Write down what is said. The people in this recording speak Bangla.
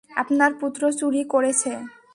আপনার পুত্র চুরি করেছে।